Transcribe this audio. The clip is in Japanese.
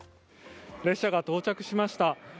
列車が到着しました。